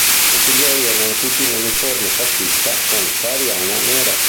I consiglieri erano tutti in uniforme fascista con sahariana nera.